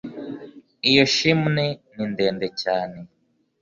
iyo chimney ni ndende cyane